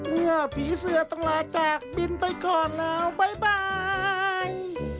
เมื่อผีเสื้อต้องลาจากบินไปก่อนแล้วบ๊ายบาย